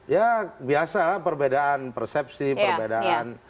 ya biasalah perbedaan persepsi perbedaan